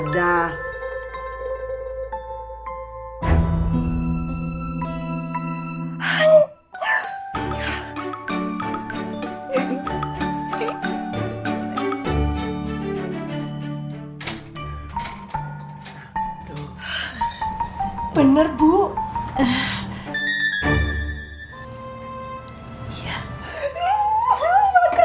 jenis berus karena